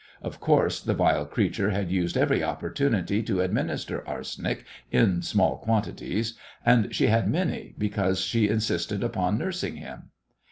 Of course the vile creature had used every opportunity to administer arsenic in small quantities, and she had many, because she insisted upon nursing him.